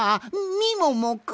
みももくん！？